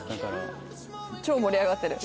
超盛り上がってる。